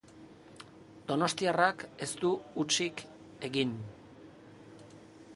Donostiarrak ez du hutsik egin.